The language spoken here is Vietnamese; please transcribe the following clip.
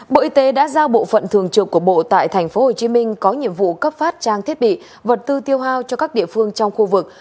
bộ y tế đã giao bộ phận thường trực của bộ tại tp hcm có nhiệm vụ cấp phát trang thiết bị vật tư tiêu hao cho các địa phương trong khu vực